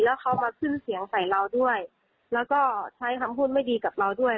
แล้วเขามาขึ้นเสียงใส่เราด้วยแล้วก็ใช้คำพูดไม่ดีกับเราด้วย